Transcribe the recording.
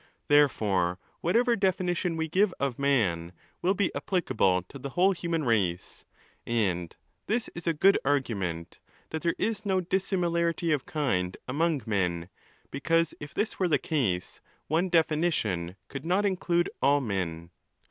Therefore, whatever definition we give of man, will be applicable to the whole human race. And this is a good argument that there is no dissimilarity of kind among men; because if this were the case, one definition could not inblintte all men.